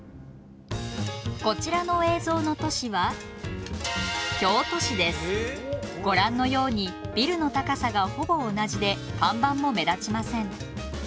こちらの映像の都市はご覧のようにビルの高さがほぼ同じで看板も目立ちません。